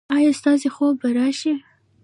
ایا ستاسو خوب به راشي؟